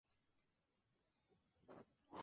Practicante del judaísmo ortodoxo.